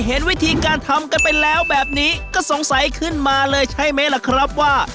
เห็นวิธีการทำกันไปแล้วแบบนี้ก็สงสัยขึ้นมาเลยใช่ไหมล่ะครับว่า